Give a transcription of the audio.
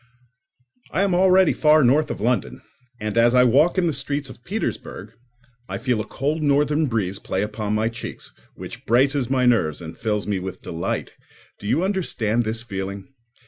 I am already far north of London, and as I walk in the streets of Petersburgh, I feel a cold northern breeze play upon my cheeks, which braces my nerves and fills me with delight. Do you understand this feeling?